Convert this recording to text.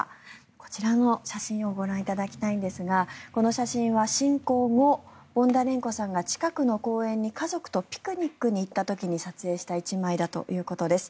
こちらの写真をご覧いただきたいんですがこの写真は侵攻後ボンダレンコさんが近くの公園に家族とピクニックに行った時に撮影した１枚だということです。